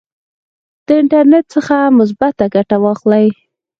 د انټرنیټ څخه مثبته ګټه واخلئ.